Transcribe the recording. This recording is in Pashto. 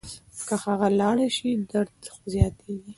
که هغه لاړه شي درد زیاتېږي.